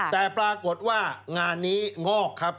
แต่ปรากฏว่างานนี้งอกครับ